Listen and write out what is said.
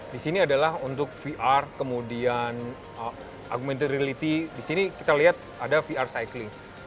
di sini adalah untuk vr kemudian augmented reality di sini kita lihat ada vr cycling